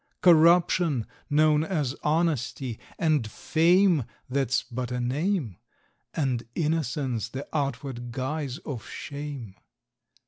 Corruption, known as Honesty; and Fame That's but a name; And Innocence, the outward guise of Shame.